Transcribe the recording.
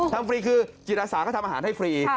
ทำฟรีคือจิตรศาสตร์ก็ทำอาหารให้ฟรี